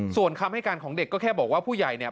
ส่วนคำให้การของเด็กก็แค่บอกว่าผู้ใหญ่เนี่ย